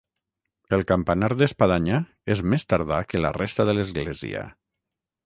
El campanar d'espadanya és més tardà que la resta de l'església.